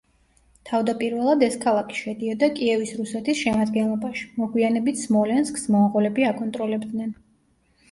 თავდაპირველად ეს ქალაქი შედიოდა კიევის რუსეთის შემადგენლობაში, მოგვიანებით სმოლენსკს მონღოლები აკონტროლებდნენ.